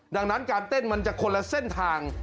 ดังนั้นการเต้นมันจะคนละเส้นทาง